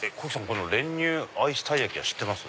この練乳アイスたいやき知ってます？